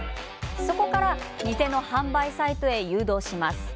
そこから偽の販売サイトへ誘導します。